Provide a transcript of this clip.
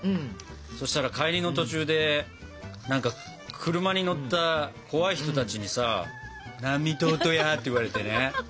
そしたら帰りの途中で車に乗った怖い人たちにさ「なん見とーとや？」って言われてね。